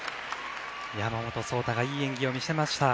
山本草太がいい演技を見せました。